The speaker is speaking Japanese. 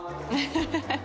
ハハハハ。